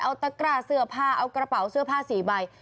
เอาตะกร้าเสื้อผ้าเอากระเป๋าเสื้อผ้า๔ใบ